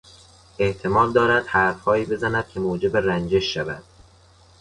احتمال دارد حرفهایی بزند که موجب رنجش شود.